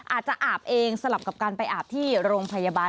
อาบเองสลับกับการไปอาบที่โรงพยาบาล